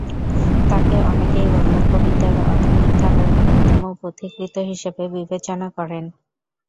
তাঁকে অনেকেই বাংলা কবিতার আধুনিক ধারার অন্যতম পথিকৃৎ হিসেবে বিবেচনা করেন।